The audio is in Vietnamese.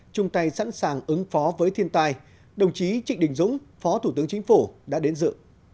chung tay sẵn sàng ứng phó với thiên tai đồng chí trịnh đình dũng phó thủ tướng chính phủ đã đến dự